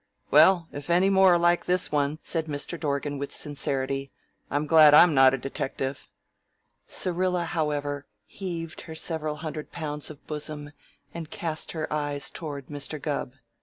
"Well, if any more are like this one," said Mr. Dorgan with sincerity, "I'm glad I'm not a detective." Syrilla, however, heaved her several hundred pounds of bosom and cast her eyes toward Mr. Gubb.